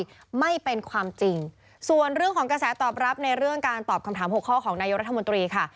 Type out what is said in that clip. ไม่เป็นความจริงส่วนเรื่องของกระแสตอบรับในเรื่องการตอบคำถามหกข้อของนายกรัฐมนตรีค่ะ